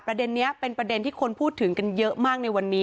ประเด็นนี้เป็นประเด็นที่คนพูดถึงกันเยอะมากในวันนี้